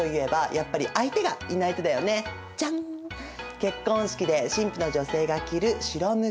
結婚式で新婦の女性が着る白むく。